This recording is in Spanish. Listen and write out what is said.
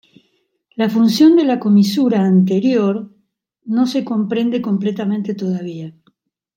La función de la comisura anterior no se comprende completamente todavía.